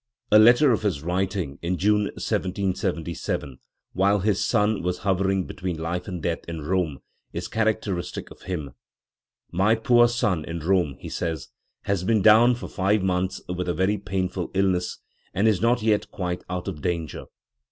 A letter of his written in June 1777, while his son was hovering between life and death in Rome, is characteristic of him. "My poor son in Rome", he says, "has been down for five months with a very painful illness, and is not yet quite out of danger.